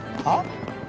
あっ？